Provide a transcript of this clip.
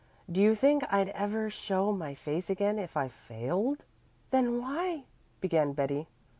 "Do you think I'd ever show my face again if I failed?" "Then why " began Betty.